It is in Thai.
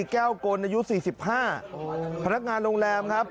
แก้วโกนอายุสี่สิบห้าพนักงานโรงแรมครับ